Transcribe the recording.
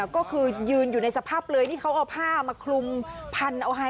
ก็คือยืนอยู่ในสภาพเปลือยที่เขาเอาผ้ามาคลุมพันเอาให้